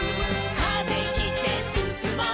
「風切ってすすもう」